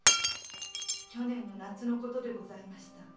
去年の夏のことでございました。